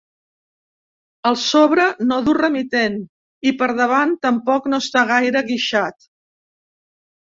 El sobre no du remitent i per davant tampoc no està gaire guixat.